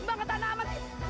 nih emang ketahanan amat